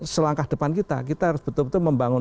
selangkah depan kita kita harus betul betul membangun